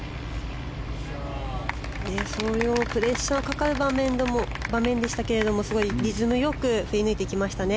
プレッシャーかかる場面でしたけどリズム良く振り抜いていきましたね。